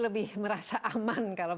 lebih merasa aman kalau